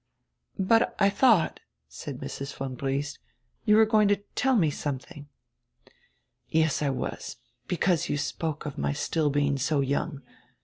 "But I thought," said Mrs. von Briest, "you were going to tell me something." "Yes, I was, because you spoke of my still being so young.